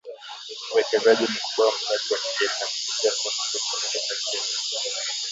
uwekezaji mkubwa wa mtaji wa kigeni na kufikia kuwa kituo cha fedha cha kieneo